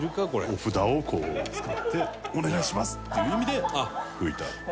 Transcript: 御札をこう使って「お願いします！」っていう意味で拭いた。